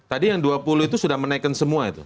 tadi yang dua puluh itu sudah menaikkan semua itu